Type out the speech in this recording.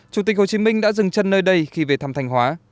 chủ tịch hồ chí minh đã dừng chân nơi đây khi về thăm thanh hóa